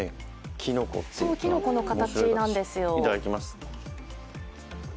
きのこの形なんですよ。